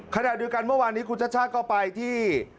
ขณะด้วยกันเมื่อวานนี้คุณชัดก็ไปที่